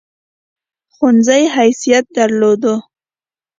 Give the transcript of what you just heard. ښوونځي حیثیت درلود.